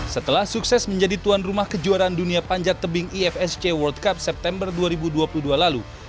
setelah sukses menjadi tuan rumah kejuaraan dunia panjat tebing ifsc world cup september dua ribu dua puluh dua lalu